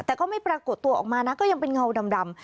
แต่ก็ไม่ปรากฏตัวออกมานะก็ยังเป็นเงาดำ